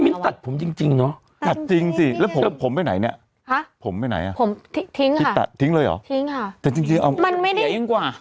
นี่มิ้นตัดผมจริงเนอะตัดจริงสิแล้วผมไปไหนเนี่ยผมไปไหนอะผมทิ้งค่ะทิ้งเลยเหรอทิ้งค่ะแต่จริงมันไม่ได้เสียยังกว่า